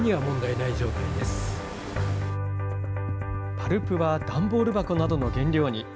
パルプは段ボール箱などの原料に。